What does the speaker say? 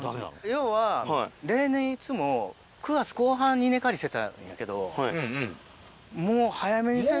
要は、例年いつも９月後半に稲刈りしてたんやけど、もう早めにせんと。